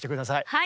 はい！